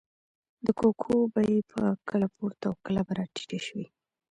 د کوکو بیې به کله پورته او کله به راټیټې شوې.